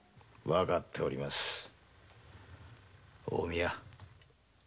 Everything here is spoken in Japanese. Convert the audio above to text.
分かっております近江屋。